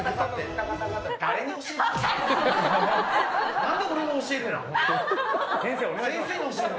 何で俺が教えてんの。